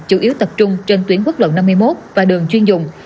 chủ yếu tập trung trên tuyến quốc lộ năm mươi một và đường chuyên dùng